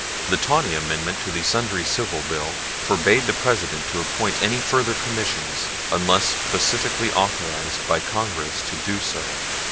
The Tawney amendment to the Sundry Civil bill forbade the President to appoint any further Commissions unless specifically authorized by Congress to do so.